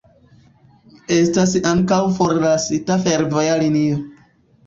Estas ankaŭ forlasita fervoja linio.